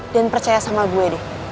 dan percaya sama gue deh